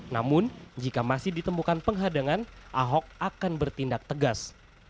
namun jika masih ditemukan penghadangan ahok akan bertindak tegas